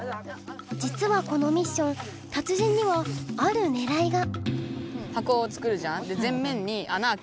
じつはこのミッション達人にはある「ねらい」が。